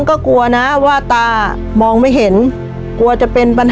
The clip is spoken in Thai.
ชีวิตหนูเกิดมาเนี่ยอยู่กับดิน